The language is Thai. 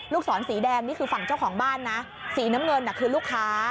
ศรสีแดงนี่คือฝั่งเจ้าของบ้านนะสีน้ำเงินคือลูกค้า